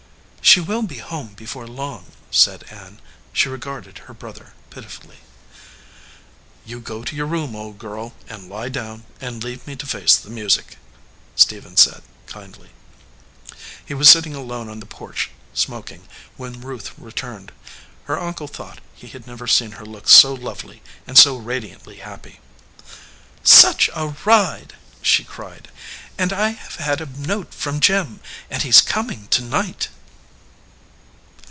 "She will be home before long," said Ann. She regarded her brother pitifully. "You go to your room, old girl, and lie down, and leave me to face the music," Stephen said, kindly. He was sitting alone on the porch, smoking, 269 EDGEWATER PEOPLE when Ruth returned. Her uncle thought he had never seen her look so lovely and so radiantly happy. "Such a ride!" she cried. "And I have had a note from Jim, and he is coming to night."